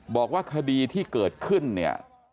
บอกว่าคดีที่เกิดขึ้นเนี่ย